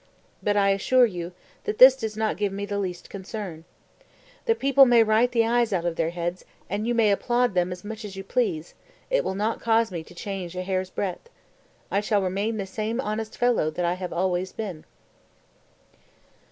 But I assure you that this does not give me the least concern. The people may write the eyes out of their heads, and you may applaud them as much as you please, it will not cause me to change a hair's breadth; I shall remain the same honest fellow that I have always been."